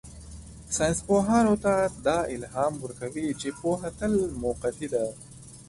ساینسپوهانو ته دا الهام ورکوي چې پوهه تل موقتي ده.